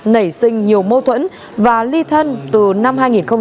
nảy sinh nhiều mâu thuẫn và ly thân từ năm hai nghìn một mươi